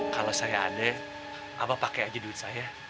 kalau saya ada abah pakai aja duit saya